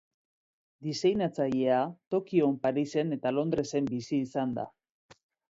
Diseinatzailea Tokion, Parisen eta Londresen bizi izan da.